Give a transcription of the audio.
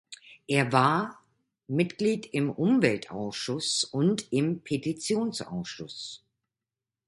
Er war Mitglied im Umweltausschuss und im Petitionsausschuss.